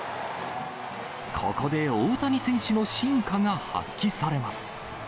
ここで、大谷選手の真価が発揮されます。